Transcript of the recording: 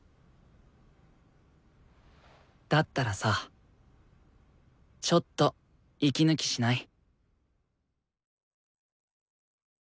だったらさちょっと息抜きしない？